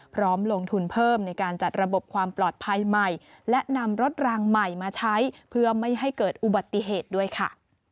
พร้อมลงทุนเพิ่มในการจัดระบบความปลอดภัยใหม่และนำรถรางใหม่มาใช้เพื่อไม่ให้เกิดอุบัติเหตุด้วยค่ะ